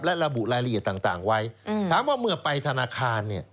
และระบุรายละเอียดต่างไว้ถามว่าเมื่อไปธนาคารเนี่ย